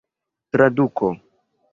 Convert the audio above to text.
traduko